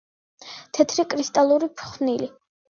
თეთრი კრისტალური ფხვნილი.